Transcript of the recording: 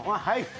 はい。